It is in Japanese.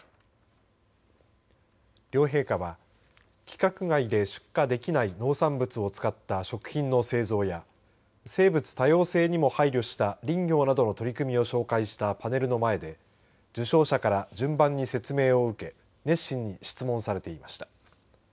両陛下は規格外で出荷できない農産物を使った食品の製造や生物多様性にも配慮した林業などの取り組みを紹介したパネルの前で受賞者から順番に説明を受け熱心に質問されていました。